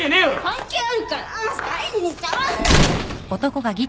関係あるから愛梨に触んな！